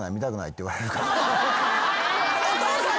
お父さん